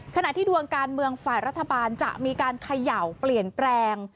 ขณะที่ดวงการเมืองฝ่ายรัฐบาลจะมีการเขย่าเปลี่ยนแปลง